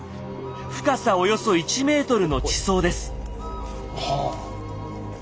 深さおよそ１ｍの地層です。